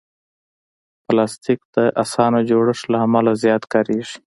پلاستيک د اسانه جوړښت له امله زیات کارېږي.